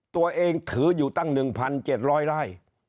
ตัวเองถืออยู่ตั้ง๑๗๐๐ลาย